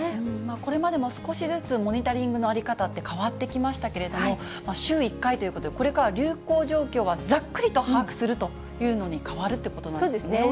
これまでも少しずつモニタリングの在り方って変わってきましたけれども、週１回ということで、これからは流行状況はざっくりと把握するというのに変わるというそうですね。